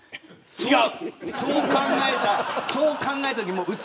違う。